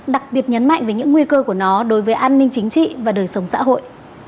đặc biệt nhấn mạnh về những nguy cơ của nó đối với an ninh chính trị và đời sống xã hội